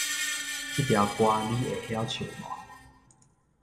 這條歌你會曉唱無？